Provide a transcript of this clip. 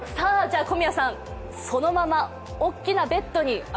小宮さんそのまま、大きいベッドに。